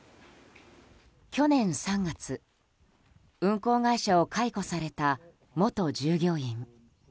去年３月運航会社を解雇された元従業員。